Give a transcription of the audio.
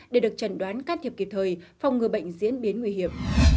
để được chẩn đoán can thiệp kịp thời phòng ngừa bệnh diễn biến nguy hiểm